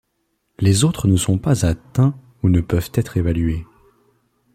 Les autres ne sont pas atteints ou ne peuvent être évalués.